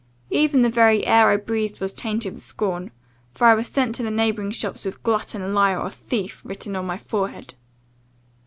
Even the very air I breathed was tainted with scorn; for I was sent to the neighbouring shops with Glutton, Liar, or Thief, written on my forehead.